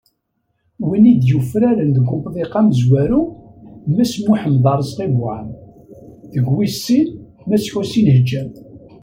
Wid i d-yufraren deg umḍiq amezwaru, Mass Muḥemmed Arezqi Buɛam, deg wis sin, Mass Ḥusin Ḥeǧǧam.